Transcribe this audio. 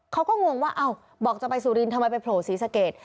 เขาก็งงว่าอ้าวบอกจะไปสุรินททำไมไปโผล่ศรีสะเกด